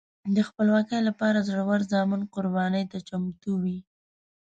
د خپلواکۍ لپاره زړور زامن قربانۍ ته چمتو وي.